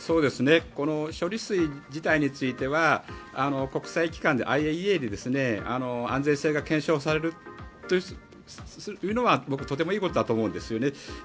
この処理水自体については国際機関、ＩＡＥＡで安全性が検証されるというのはとてもいいことだと思うんです。